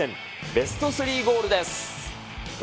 ベスト３ゴールです。